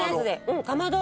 かまど。